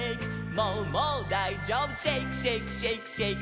「もうもうだいじょうぶシェイクシェイクシェイクシェイク」